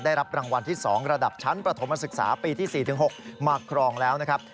ได้รับรางวัลที่๒ระดับชั้นประถมศึกษาปีที่๔๖มาครองแล้วนะครับ